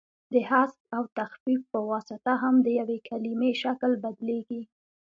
د حذف او تخفیف په واسطه هم د یوې کلیمې شکل بدلیږي.